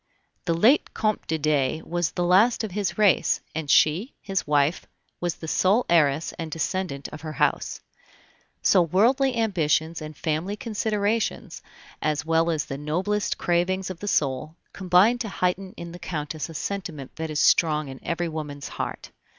The late Comte de Dey was the last of his race, and she, his wife, was the sole heiress and descendant of her house. So worldly ambitions and family considerations, as well as the noblest cravings of the soul, combined to heighten in the Countess a sentiment that is strong in every woman's heart.